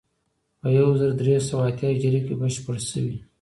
په یو زر درې سوه اتیا هجري کې بشپړ شوی.